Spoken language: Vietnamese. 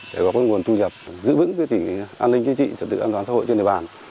để có nguồn thu nhập giữ vững an ninh chính trị trật tự an toàn xã hội trên địa bàn